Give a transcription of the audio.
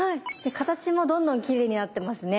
形もどんどんきれいになってますね。